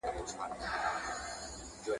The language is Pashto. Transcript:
ما د سباوون په تمه تور وېښته سپین کړي دي!